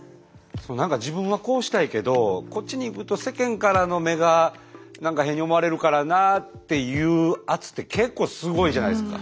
なんか自分はこうしたいけどこっちに行くと世間からの目が何か変に思われるからなっていう圧って結構すごいじゃないですか。